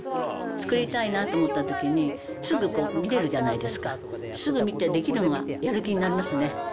作りたいなと思ったときに、すぐ見れるじゃないですか、すぐ見て、できるのが、やる気になりますね。